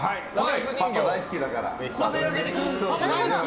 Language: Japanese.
パパが大好きだから。